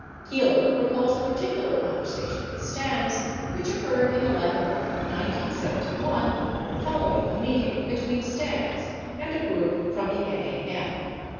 Keeler recalls a particular conversation with Stans which occurred in the latter part of 1971 following a meeting between Stans and a group from the NAM.